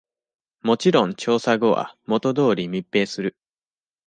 もちろん調査後は、元通り密閉する。